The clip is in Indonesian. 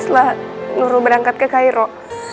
setelah nurul berangkat ke cairo